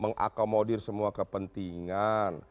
mengakomodir semua kepentingan